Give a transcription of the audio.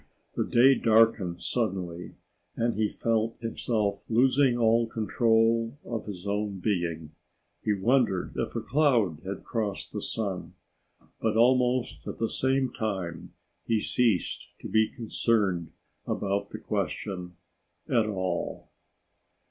The day darkened suddenly and he felt himself losing all control of his own being. He wondered if a cloud had crossed the sun, but almost at the same time he ceased to be concerned about the question at all.